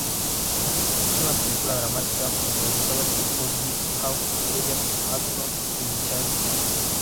Es una película dramática protagonizada por Goldie Hawn, William Atherton y Michael Sacks.